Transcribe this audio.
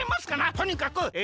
とにかくえ